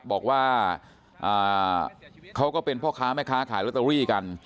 บอกว่าเขาก็เป็นพ่อค้าแม่ค้าขายลอตเตอรี่กัน